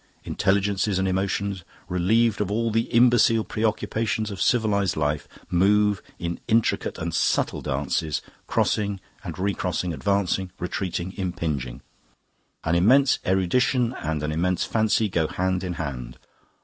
Intelligences and emotions, relieved of all the imbecile preoccupations of civilised life, move in intricate and subtle dances, crossing and recrossing, advancing, retreating, impinging. An immense erudition and an immense fancy go hand in hand.